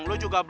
lo juga sama